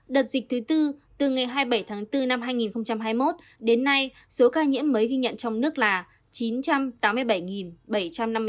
đợt dịch thứ tư từ ngày hai mươi bảy tháng bốn năm hai nghìn hai mươi một đến nay số ca nhiễm mới ghi nhận trong nước là chín trăm tám mươi bảy bảy trăm năm mươi ca